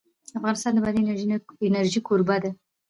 افغانستان د بادي انرژي کوربه دی.